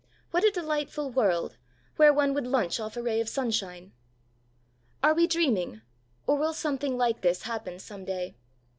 What a delightful world, where one would lunch off a ray of sunshine! Are we dreaming, or will something like this happen some day?